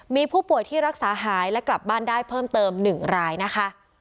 มีผู้ป่วยที่รักษาหายและกลับบ้านได้เพิ่มเติม๑รายนะคะ